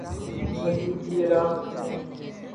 مزید بھی رہ سکتے ہیں۔